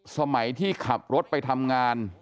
สมัยที่ขับรถไปทำงาน